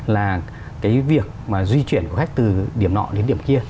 là cái việc mà di chuyển của khách từ điểm nọ đến điểm kia